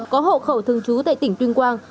có hộ khẩu thường trú tại tỉnh tuyên quang